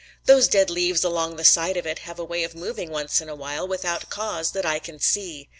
Those dead leaves along the side of it have a way of moving once in a while without cause that I can see.